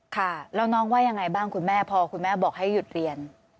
ค่ะแล้วน้องว่ายังไงบ้างคุณแม่พอคุณแม่บอกให้หยุดเรียน